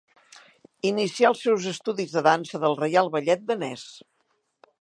Inicià els seus estudis de dansa del Reial Ballet danès.